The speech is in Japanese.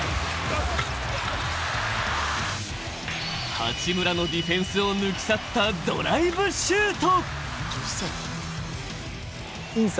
八村のディフェンスを抜き去ったドライブシュート。